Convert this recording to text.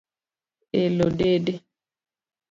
Elo dede